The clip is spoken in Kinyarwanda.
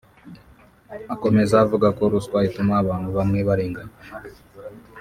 Akomeza avuga ko ruswa ituma abantu bamwe barenganywa